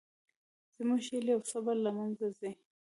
زموږ هیلې او صبر له منځه ځي